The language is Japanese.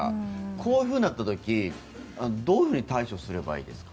こういうふうになった時はどういうふうに対処すればいいですか？